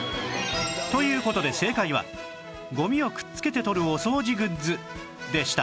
という事で正解はゴミをくっつけて取るお掃除グッズでした